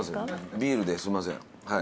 ビールですいませんはい。